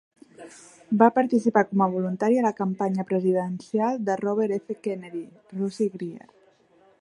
Va participar com a voluntari a la campanya presidencial de Robert F. Kennedy amb Rosie Grier.